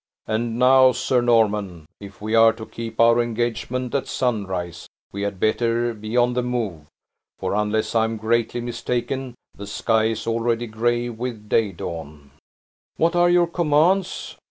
"And now, Sir Norman, if we are to keep our engagement at sunrise, we had better be on the move; for, unless I am greatly mistaken, the sky is already grey with day dawn." "What are your commands?"